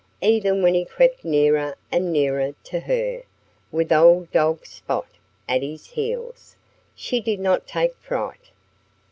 Even when he crept nearer and nearer to her, with old dog Spot at his heels, she did not take fright.